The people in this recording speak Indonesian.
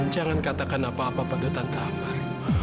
jangan katakan apa apa pada tante ambar